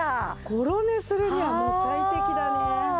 ごろ寝するにはもう最適だね。